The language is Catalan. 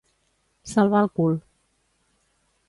Salvar el cul.